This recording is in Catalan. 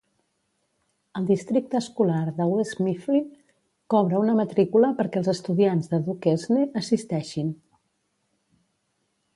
El districte escolar de West Mifflin cobra una matrícula perquè els estudiants de Duquesne assisteixin.